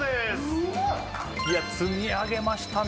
うわっいや積み上げましたね